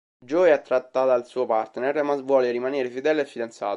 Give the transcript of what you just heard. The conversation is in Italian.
Jo è attratta dal suo partner ma vuole rimanere fedele al fidanzato.